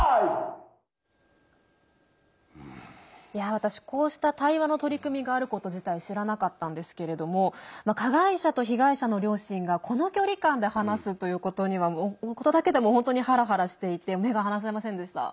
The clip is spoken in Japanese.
私、こうした対話の取り組みがあること自体知らなかったんですけれども加害者と被害者の両親がこの距離感で話すということだけでも本当にハラハラしていて目が離せませんでした。